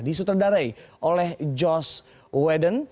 disutradari oleh joss whedon